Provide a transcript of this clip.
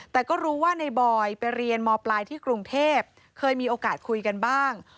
แต่ก็รู้ว่าในบอยไปเรียนมปลายที่กรุงเทพเคยมีโอกาสคุยกันบ้าง